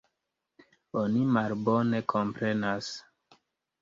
Oni malbone komprenas.